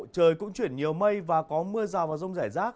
trời cũng chuyển nhiều mây và có mưa rào và rông rải rác